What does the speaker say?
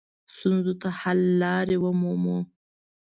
ستونزو ته حل لارې ومومو.